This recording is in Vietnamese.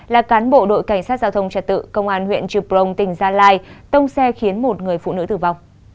là cán bộ đội cảnh sát giao thông trật tự công an huyện trư prong tỉnh gia lai tông xe khiến một người phụ nữ tử vong